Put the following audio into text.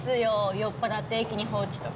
酔っぱらって駅に放置とか。